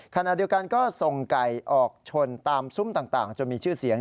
ขณะเดียวกันก็ส่งไก่ออกชนตามซุ้มต่างจนมีชื่อเสียง